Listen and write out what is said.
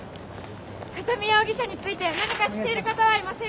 風見容疑者について何か知っている方はいませんか？